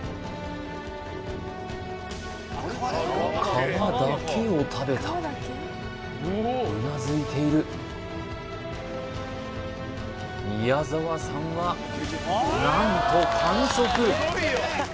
皮だけを食べたうなずいている宮澤さんは何と完食！